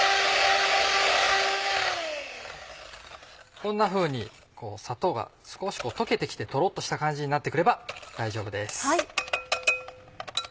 こんなふうに砂糖が少し溶けて来てトロっとした感じになってくれば大丈夫です。